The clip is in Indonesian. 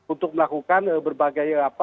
untuk melakukan berbagai